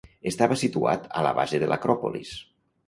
Estava situat a la base de l'Acròpolis.